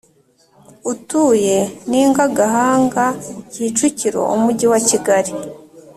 utuye Ninga Gahanga KicukiroUmujyi wa Kigali